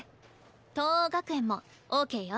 藤黄学園もＯＫよ。